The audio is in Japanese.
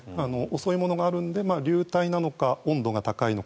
遅いものがあるので流体があるのか温度が高いのか